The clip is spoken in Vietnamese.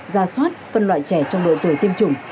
giả soát phân loại trẻ trong đội tuổi tiêm chủng